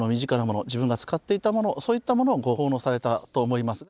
自分が使っていたものそういったものをご奉納されたと思います。